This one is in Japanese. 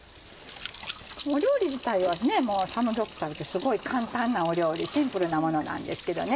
料理自体はサムギョプサルってすごい簡単な料理シンプルなものなんですけどね。